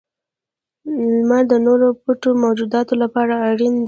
• لمر د نورو پټو موجوداتو لپاره اړین دی.